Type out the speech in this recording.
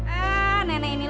eh nenek ini lah